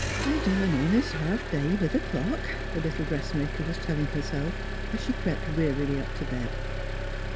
" I done an honest half day b' th' clock," the little dressmaker was telling herself, as she crept wearily up to bed.